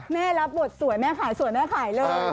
รับบทสวยแม่ขายสวยแม่ขายเลย